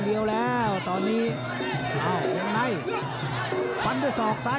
ติดตามยังน้อยกว่า